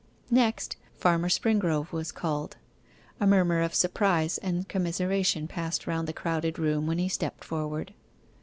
Next, Farmer Springrove was called. A murmur of surprise and commiseration passed round the crowded room when he stepped forward.